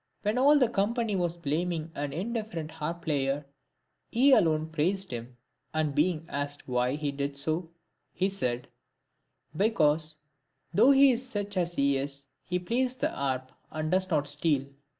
When all the company was blaming an indifferent harp player, he alone praised him, and being asked why he did so, he said, " Because, though he is such as he is, he plays the harp and does not steal."